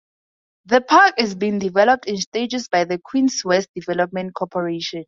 The park is being developed in stages by the Queens West Development Corporation.